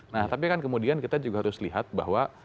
nah tapi kan kemudian kita juga harus lihat bahwa